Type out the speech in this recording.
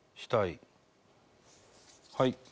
はい。